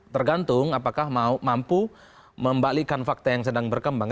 tergantung apakah mampu membalikan fakta yang sedang berkembang